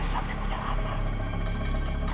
seharusnya dia akan menemani anaknya